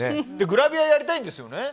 グラビアやりたいんですよね。